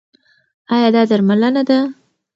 ایا دا درملنه ده؟